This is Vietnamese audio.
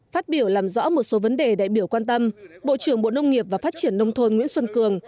phát biểu làm rõ một số vấn đề đại biểu quan tâm bộ trưởng bộ nông nghiệp và phát triển nông thôn nguyễn xuân cường